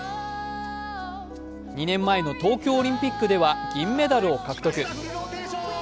２年前の東京オリンピックでは銀メダルを獲得。